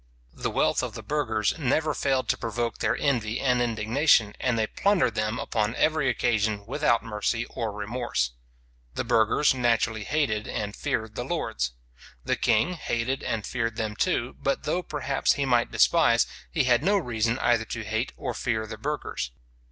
The wealth of the burghers never failed to provoke their envy and indignation, and they plundered them upon every occasion without mercy or remorse. The burghers naturally hated and feared the lords. The king hated and feared them too; but though, perhaps, he might despise, he had no reason either to hate or fear the burghers.